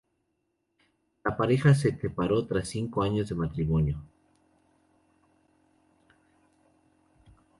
La pareja se separó tras cinco años de matrimonio.